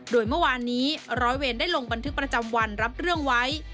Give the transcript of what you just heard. โดยเมื่อวานนี้ร้อยเวรได้ลงบันทึกประจำวันรับเรื่องไว้